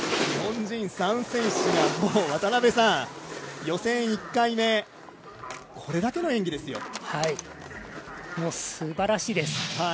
日本人３選手がもう予選１回目、これだけの演技ですよ。